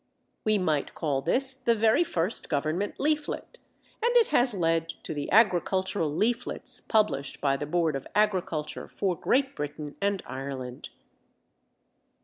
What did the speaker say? We might call this the very first Government leaflet, and it has led to the Agricultural Leaflets published by the Board of Agriculture for Great Britain and Ireland.